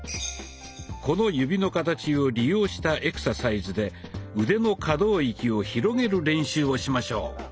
この指の形を利用したエクササイズで腕の可動域を広げる練習をしましょう。